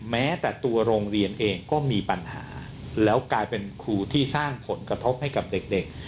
แม้แต่ตัวโรงเรียนเองก็มีปัญหาแล้วกลายเป็นครูที่สร้างผลกระทบให้กับเด็ก